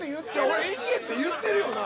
俺「行け」って言ってるよな？